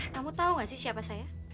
kamu tahu gak sih siapa saya